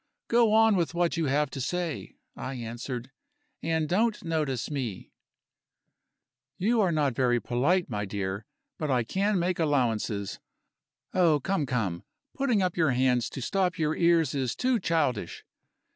"Go on with what you have to say," I answered, "and don't notice me." "You are not very polite, my dear, but I can make allowances. Oh, come! come! putting up your hands to stop your ears is too childish.